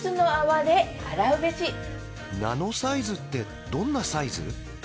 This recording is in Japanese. ナノサイズってどんなサイズ？